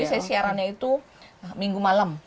jadi saya siarannya itu minggu malam